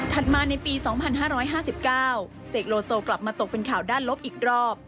มาในปี๒๕๕๙เสกโลโซกลับมาตกเป็นข่าวด้านลบอีกรอบ